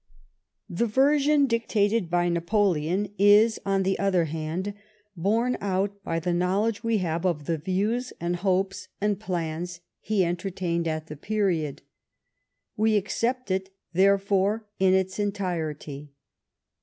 The version dictated by Napoleon is, on the other hand, borne out by the knowledge we have of the views and hopes and plans he entertained at the period. We accept it, therefore, in its entirety.